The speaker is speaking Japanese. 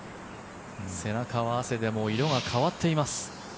背中は汗で色が変わっています。